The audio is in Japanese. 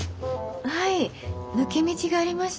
はい抜け道がありまして。